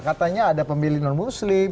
katanya ada pemilih non muslim